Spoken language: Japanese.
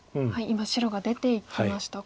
今白が出ていきました。